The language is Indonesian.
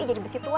jadi besi tua